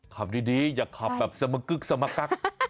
ขับดีอย่าขับแบบสมกึ๊กสมกัก